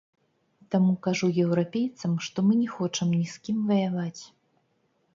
Таму кажу еўрапейцам, што мы не хочам ні з кім ваяваць.